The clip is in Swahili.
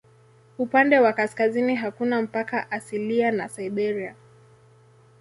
Upande wa kaskazini hakuna mpaka asilia na Siberia.